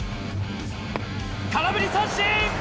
空振り三振。